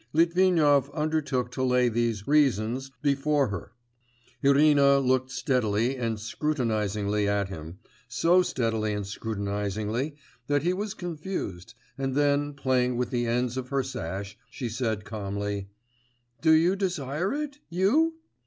Litvinov undertook to lay these 'reasons' before her. Irina looked steadily and scrutinisingly at him, so steadily and scrutinisingly that he was confused, and then, playing with the ends of her sash, she said calmly: 'Do you desire it, you?